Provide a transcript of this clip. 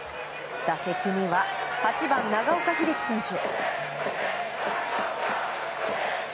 打席には８番、長岡秀樹選手。